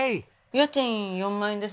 家賃４万円です。